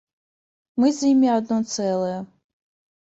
Мы з імі адно цэлае.